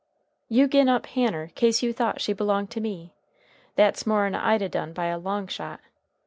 "You gin up Hanner kase you thought she belonged to me. That's more'n I'd a done by a long shot.